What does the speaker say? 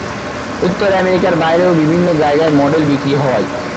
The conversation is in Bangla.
উত্তর আমেরিকার বাইরে বিভিন্ন জায়গায় মডেল বিক্রি হয়।